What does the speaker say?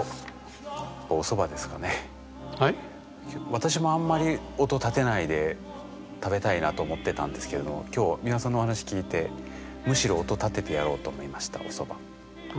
私もあんまり音立てないで食べたいなと思ってたんですけれども今日美輪さんのお話聞いてむしろ音立ててやろうと思いましたおそば。